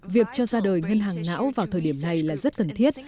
việc cho ra đời ngân hàng não vào thời điểm này là rất cần thiết